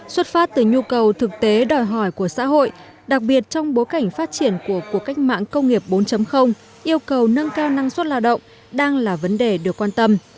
xuất phát từ nhu cầu thực tế đòi hỏi của xã hội đặc biệt trong bối cảnh phát triển của cuộc cách mạng công nghiệp bốn yêu cầu nâng cao năng suất lao động đang là vấn đề được quan tâm